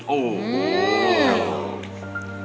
โอ้โห